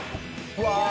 うわ！